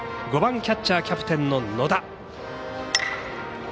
５番、キャッチャーキャプテンの野田。